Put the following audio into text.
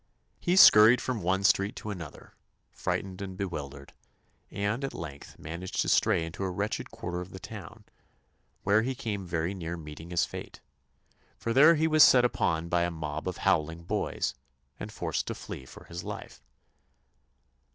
He scurried from one street to another, frightened and bewildered, and at length managed to stray into a wretched quarter of the town where he came very near meeting his fate, for there he was set upon by a mob of howling boys, and forced to flee for his life.